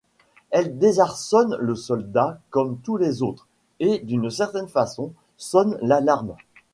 Elle désarçonne le soldat, comme tous les autres, et d'une certaine façon, sonne l'alarme.